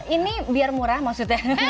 ini biar murah maksudnya